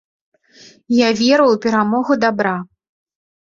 Я веру ў перамогу дабра.